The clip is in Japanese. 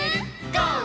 ゴー！」